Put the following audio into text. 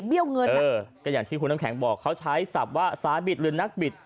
เงินก็อย่างที่คุณน้ำแข็งบอกเขาใช้ศัพท์ว่าสาบิตหรือนักบิด